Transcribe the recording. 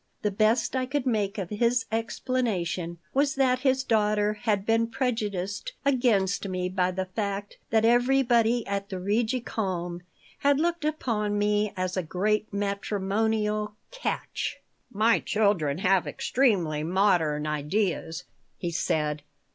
The best I could make of his explanation was that his daughter had been prejudiced against me by the fact that everybody at the Rigi Kulm had looked upon me as a great matrimonial "catch." "Mv children have extremely modern ideas," he said.